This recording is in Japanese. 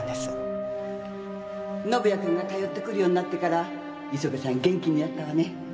宣也君が通ってくるようになってから磯部さん元気になったわね。